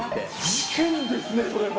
事件ですね、それは。